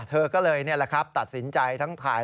เธอก็เลยนี่แหละครับตัดสินใจทั้งถ่าย